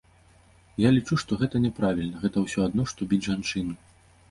Я лічу, што гэта няправільна, гэта ўсё адно, што біць жанчыну.